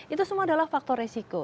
itu semua adalah faktor resiko